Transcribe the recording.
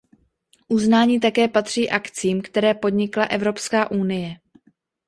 Uznání také patří akcím, které podnikla Evropská unie.